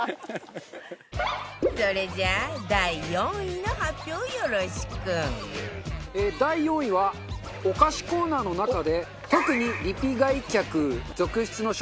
それじゃあ第４位はお菓子コーナーの中で特にリピ買い客続出の商品。